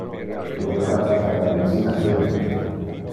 Io practica medicina clinic.